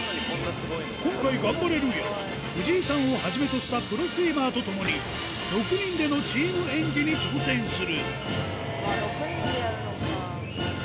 今回、ガンバレルーヤは、藤井さんをはじめとしたプロスイマーと共に、６人でのチーム演技に挑戦する。